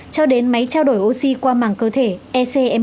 cho đến máy trao đổi oxy qua mảng cơ thể ecmo